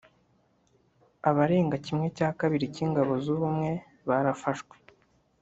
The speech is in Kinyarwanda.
abarenga kimwe cya kabiri cyingabo z’ubumwe barafashwe